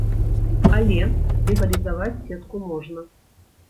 Але легалізаваць сетку можна.